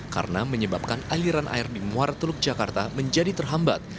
karena menyebabkan aliran air di muara teluk jakarta menjadi terhambat